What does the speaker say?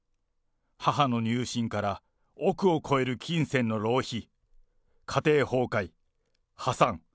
母の入信から億を超える金銭の浪費、家庭崩壊、破産。